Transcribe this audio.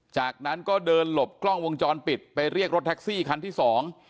จากนั้นก็เดินหลบกล้องวงจรปิดไปเรียกรถแท็กซี่คันที่สอง